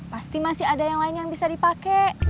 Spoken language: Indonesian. pasti masih ada yang lain yang bisa dipakai